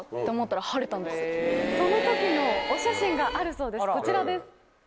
その時のお写真があるそうですこちらです。